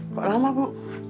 kok lama bu